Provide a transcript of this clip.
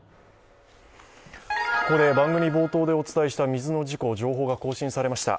ここで番組冒頭で、お伝えした水の事故、情報が更新されました。